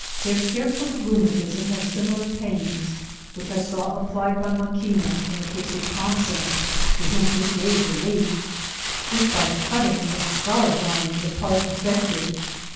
Their ^re for the rheumatisirr, or similar paio^, which I %BiW applied by Maquina, in the case of Thompsotf, to whom it gave relief, is by cutting or icarifying^the part affected.